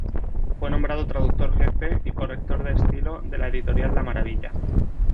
Fue nombrado traductor jefe y corrector de estilo de la Editorial La Maravilla.